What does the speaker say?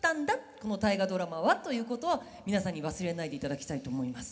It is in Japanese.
この『大河ドラマ』は」ということは皆さんに忘れないでいただきたいと思います。